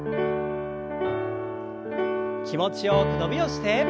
気持ちよく伸びをして。